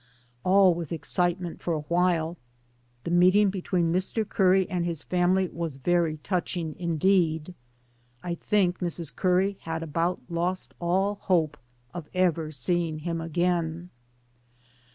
All was excitement for a while. The meeting between Mr. Curry and his family was very touching, indeed. I think Mrs. Curry had about lost all hope of ever seeing him again.